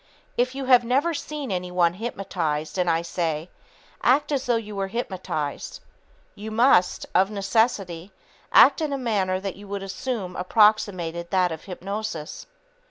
If you have never seen anyone hypnotized and I say, "Act as though you were hypnotized," you must, of necessity, act in a manner that you would assume approximated that of hypnosis.